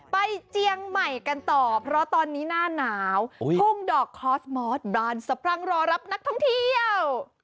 เจียงใหม่กันต่อเพราะตอนนี้หน้าหนาวทุ่งดอกคอสมอสบานสะพรั่งรอรับนักท่องเที่ยว